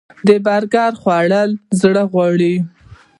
د برګر خوړل زړه غواړي